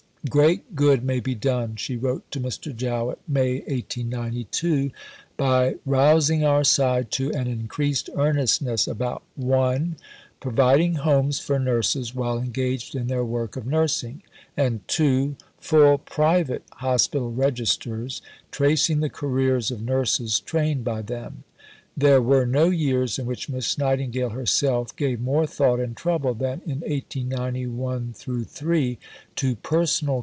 "Great good may be done," she wrote to Mr. Jowett (May 1892), "by rousing our side to an increased earnestness about (1) providing Homes for Nurses while engaged in their work of nursing, and (2) full private Hospital Registers, tracing the careers of nurses trained by them." There were no years in which Miss Nightingale herself gave more thought and trouble, than in 1891 3, to personal care for the affairs of the Nightingale School.